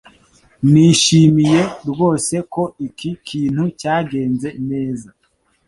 Nishimiye rwose ko iki kintu cyagenze neza.